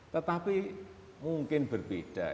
tetapi mungkin berbeda ya